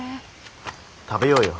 食べようよ